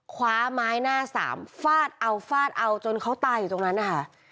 คว้าไม้หน้าสามฟาดเอาฟาดเอาจนเขาตายอยู่ตรงนั้นนะคะ